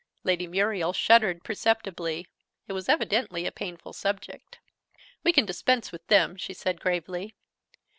Lady Muriel shuddered perceptibly: it was evidently a painful subject. "We can dispense with them," she said gravely.